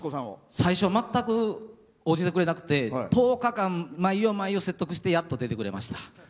最初、全く応じてくれなくて１０日間、毎夜毎夜説得してやっと出てくれました。